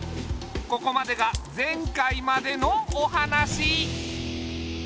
ここまでが前回までのお話。